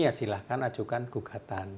ya silahkan ajukan gugatan